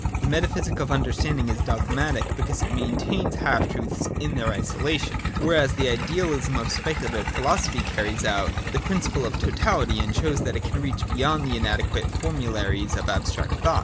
The metaphysic of understanding is dog ~l matic, because it maintains half truths in their isolation :' whereas the idealism of speculative philosophy carries out |J the principle of totality and shows that it can reach beyondj the inadequate formularies of abstract thought.